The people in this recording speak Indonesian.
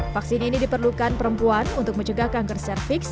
vaksin ini diperlukan perempuan untuk mencegah kanker cervix